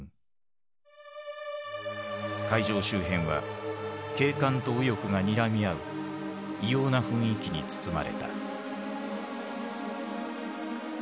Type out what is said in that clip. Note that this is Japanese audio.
会場周辺は警官と右翼がにらみ合う異様な雰囲気に包まれた。